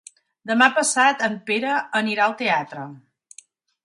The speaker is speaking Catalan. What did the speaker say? Demà passat en Pere anirà al teatre.